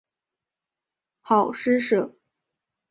好施舍。